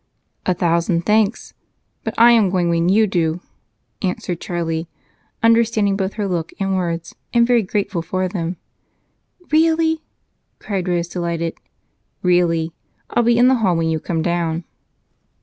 "A thousand thanks, but I am going when you do," answered Charlie, understanding both her look and words and very grateful for them. "Really?" cried Rose, delighted. "Really. I'll be in the hall when you come down."